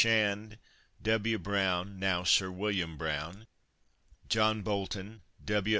Shand, W. Brown (now Sir William Brown), John Bolton, W.